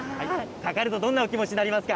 かかるとどんなお気持ちになりますか？